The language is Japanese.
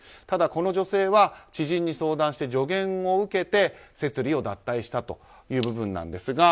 ただ、この女性は知人に相談し助言を受けて摂理を脱退したという部分。